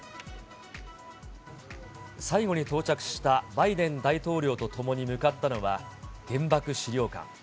最後に到着したバイデン大統領と共に向かったのは、原爆資料館。